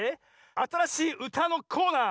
あたらしいうたのコーナー